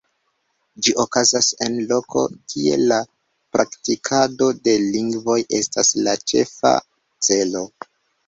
Ĝi okazas en loko, kie la praktikado de lingvoj estas la ĉefa celo.